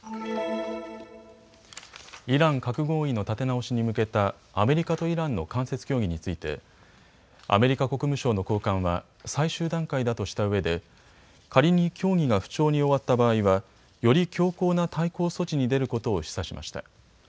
イラン核合意の立て直しに向けたアメリカとイランの間接協議についてアメリカ国務省の高官は最終段階だとしたうえで仮に協議が不調に終わった場合はより強硬な対抗措置に出ることを示唆しました。